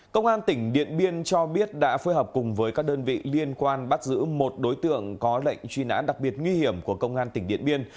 công an tỉnh điện biên cho biết đã phối hợp cùng với các đơn vị liên quan bắt giữ một đối tượng có lệnh truy nã đặc biệt nguy hiểm của công an tỉnh điện biên